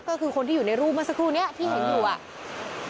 ก็คือคนที่อยู่ในรูปเมื่อสักครู่นี้ที่เห็นอยู่อ่ะ